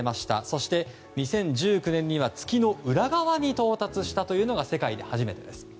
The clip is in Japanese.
そして、２０１９年には月の裏側に到達したというのが世界で初めてです。